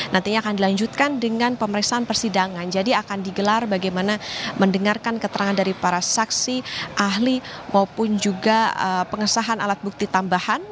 nantinya akan dilanjutkan dengan pemeriksaan persidangan jadi akan digelar bagaimana mendengarkan keterangan dari para saksi ahli maupun juga pengesahan alat bukti tambahan